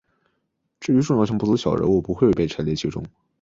至于重要性不足的小人物不会被陈列其中。